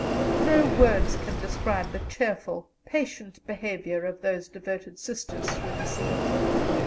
No words can describe the cheerful, patient behaviour of those devoted Sisters through the siege.